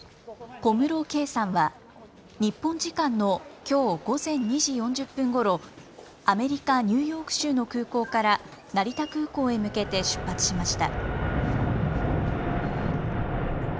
小室圭さんは日本時間のきょう午前２時４０分ごろアメリカ・ニューヨーク州の空港から成田空港へ向けて出発しました。